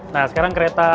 nah sekarang kereta